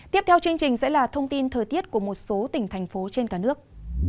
tiếp theo chương trình sẽ là thông tin thời tiết của một số tỉnh thành phố trên cả nước